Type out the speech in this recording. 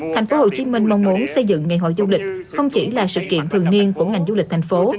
thành phố hồ chí minh mong muốn xây dựng ngày hội du lịch không chỉ là sự kiện thường niên của ngành du lịch thành phố